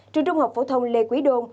trường trung học phổ thông lê quý đôn